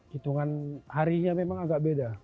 hitungan harinya memang agak beda